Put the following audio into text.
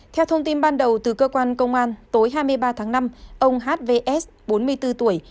theo thông tin ban đầu từ cơ quan công an tối hai mươi ba tháng năm ông hvs bốn mươi bốn tuổi